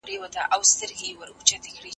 چي د جفا تېغ دي هر ځلي و ځیګر ته راسي